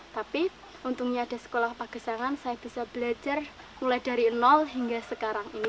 tapi untungnya ada sekolah pagesangan saya bisa belajar mulai dari nol hingga sekarang ini